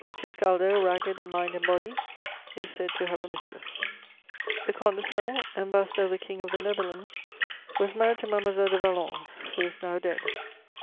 Fuscaldo, ragged in mind and body, is said to have a mistress. The Comte de Celles, Ambassador of the King of the Netherlands, was married to Mademoiselle de Valence, who is now dead.